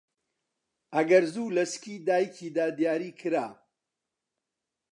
ئەگەر زوو لەسکی دایکدا دیاریکرا